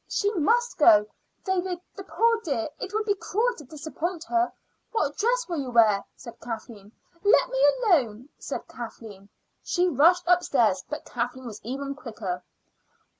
She must go, David, the poor dear. It would be cruel to disappoint her. What dress will you wear?" said Kathleen. "Let me alone," said Alice. She rushed upstairs, but Kathleen was even quicker.